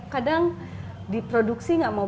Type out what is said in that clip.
kadang diproduksi enggak mau